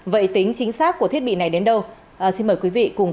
vậy tính chính xác của thiết bị này đến đâu